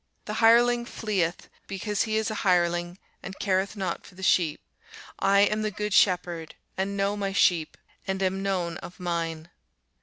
The hireling fleeth, because he is an hireling, and careth not for the sheep. I am the good shepherd, and know my sheep, and am known of mine.